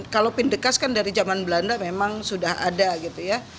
kalau pindekas kan dari zaman belanda memang sudah ada gitu ya